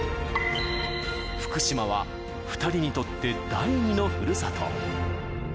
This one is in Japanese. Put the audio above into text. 福島は２人にとって第２のふるさと。